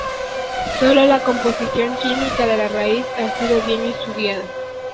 Sólo la composición química de la raíz ha sido bien estudiada.